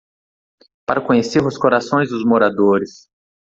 Para conhecer os corações dos moradores